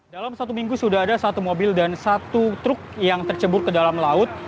dalam satu minggu sudah ada satu mobil dan satu truk yang tercebur ke dalam laut